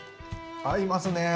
合いますねぇ。